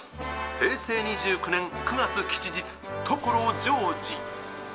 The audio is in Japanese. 平成２９年９月吉日所ジョージ」。